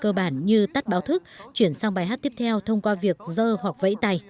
cơ bản như tắt báo thức chuyển sang bài hát tiếp theo thông qua việc dơ hoặc vẫy tay